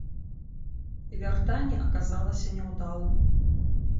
І вяртанне аказалася няўдалым.